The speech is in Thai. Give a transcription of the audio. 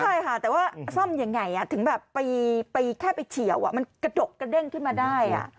ใช่ค่ะแต่ว่าซ่อมยังไงถึงแบบไปแค่ไปเฉียวมันกระดกกระเด้งขึ้นมาได้